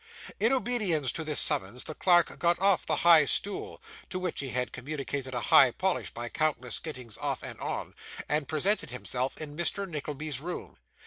In obedience to this summons the clerk got off the high stool (to which he had communicated a high polish by countless gettings off and on), and presented himself in Mr. Nickleby's room.